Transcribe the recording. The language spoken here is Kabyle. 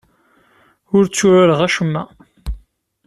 Ur tturareɣ acemma.